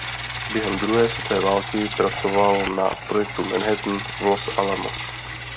Během druhé světové války pracoval na Projektu Manhattan v Los Alamos.